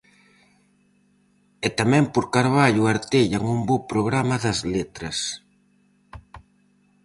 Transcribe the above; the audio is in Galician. E tamén por Carballo artellan un bo programa das letras.